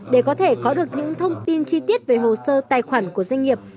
để có thể có được những thông tin chi tiết về hồ sơ tài khoản của doanh nghiệp